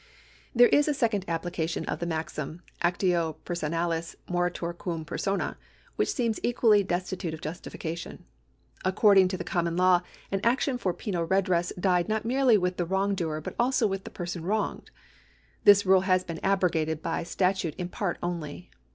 There is a second application of the inaxini, Actio pcnsonnlis morilur cvm qiersorm, which seems etiually destitute of justification. According to the common law an action for jjcnal redress died not jnerely with the wrong doer but also with the person wronged. This rule has l;een abrogated by statute in part only.